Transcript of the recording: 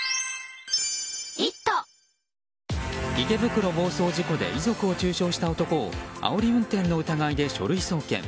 池袋暴走事故で遺族を中傷した男をあおり運転の疑いで書類送検。